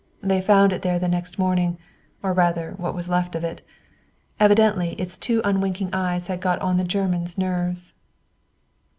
They found it there the next morning, or rather what was left of it. Evidently its two unwinking eyes had got on the Germans' nerves.